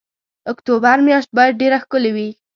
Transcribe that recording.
اکتوبر میاشت باید ډېره ښکلې وي.